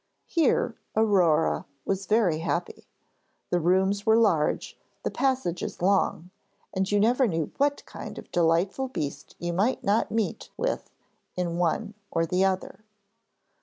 Here Aurore was very happy. The rooms were large, the passages long, and you never knew what kind of delightful beast you might not meet with in one or the other.